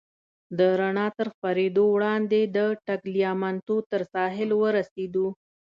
د رڼا تر خپرېدو وړاندې د ټګلیامنټو تر ساحل ورسېدو.